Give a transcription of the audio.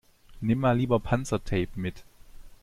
Nimm mal lieber Panzertape mit.